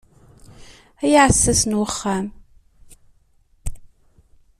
Ay aɛessas n uxxam.